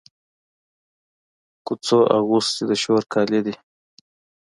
کوڅو اغوستي د شور کالي دی